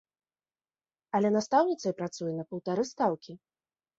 Але настаўніцай працуе на паўтары стаўкі!